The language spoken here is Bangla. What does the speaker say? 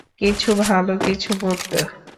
কিছু ভালো, কিছু মন্দ।